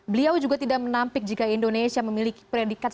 beliau juga tidak menampik jika indonesia memiliki predikat